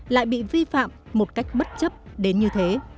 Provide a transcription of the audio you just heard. lại bị vi phạm một cách bất chấp đến như thế